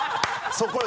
そこよ！